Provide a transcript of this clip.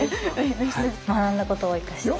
学んだことを生かして！